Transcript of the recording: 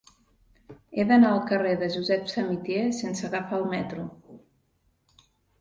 He d'anar al carrer de Josep Samitier sense agafar el metro.